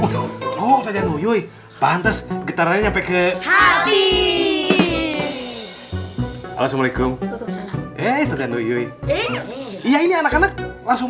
oh saya nyoy nyoy pantes getaran nyampe ke hati assalamualaikum ya ini anak anak langsung